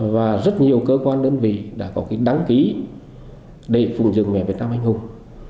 và rất nhiều cơ quan đơn vị đã có đăng ký để phụ dựng mẹ việt nam anh hùng